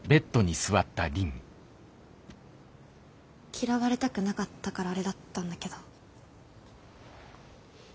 嫌われたくなかったからあれだったんだけど。